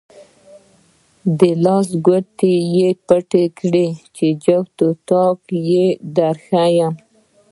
د لاس ګوتې دې پټوې چې جفت او طاق یې دروښایم.